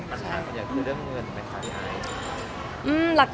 ปัญหาคนใหญ่คือเรื่องเงินไหมคะที่ไอ